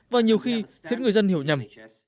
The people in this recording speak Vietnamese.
và nhiều khi khiến người dân hiểu nhầm